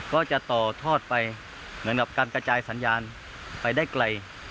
ก็จะต่อทอดไปเหมือนกับการกระจายสัญญาณไปได้ไกล